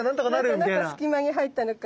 で中隙間に入ったのか。